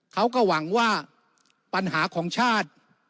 เขาก็หวังว่าปัญหาของชาติ